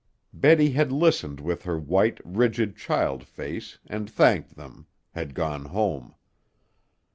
Betty had listened with her white, rigid, child face, had thanked them, had gone home.